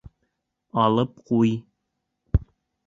Алып ҡуй!